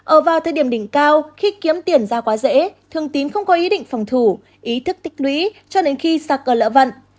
ở vào thời điểm đỉnh cao khi kiếm tiền ra quá dễ thường tín không có ý định phòng thủ ý thức tích lũy cho đến khi sạc cơ lỡ vận